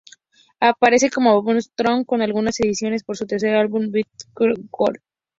Aparece cómo bonus track en algunas ediciones de su tercer álbum "Bittersweet World".